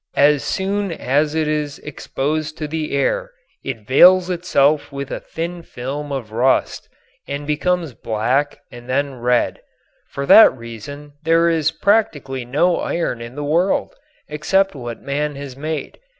As soon as it is exposed to the air it veils itself with a thin film of rust and becomes black and then red. For that reason there is practically no iron in the world except what man has made.